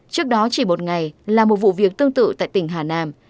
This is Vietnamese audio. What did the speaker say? trước đó chỉ một ngày là một vụ việc tương tự tại tỉnh hà nam